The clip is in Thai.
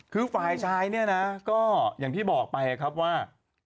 คือฝ่ายชายเนี่ยนะก็อย่างที่บอกไปครับว่า